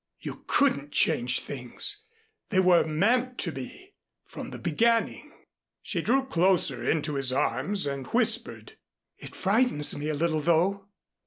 You couldn't change things. They were meant to be from the beginning." She drew closer into his arms and whispered. "It frightens me a little, though."